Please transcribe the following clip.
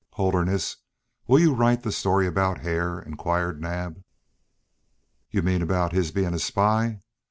"Holderness, will you right the story about Hare?" inquired Naab. "You mean about his being a spy?